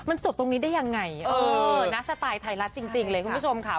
มันจบตรงนี้ได้ยังไงเออนะสไตล์ไทยรัฐจริงเลยคุณผู้ชมค่ะ